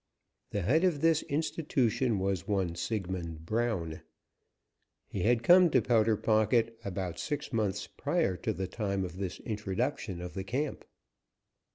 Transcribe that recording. The head of this institution was one Sigmund Brown. He had come to Powder Pocket about six months prior to the time of this introduction of the camp.